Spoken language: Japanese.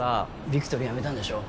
ビクトリー辞めたんでしょ？